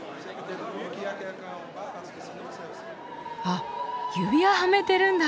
あっ指輪はめてるんだ。